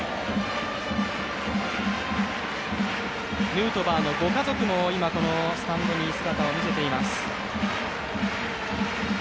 ヌートバーのご家族も今、このスタンドに姿を見せています。